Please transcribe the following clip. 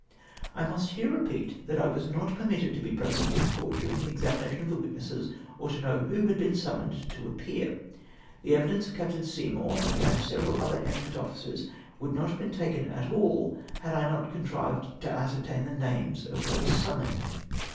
I nmst here repeat that I was not permitted to be present in the court during the examination of the witnesses, or to know idio had been summoned to af 2?eai% the evidence of Captain Seymour, and that of several other eminent officers, would not have been taken at all, had I not contrived to ascertain the names of those summoned.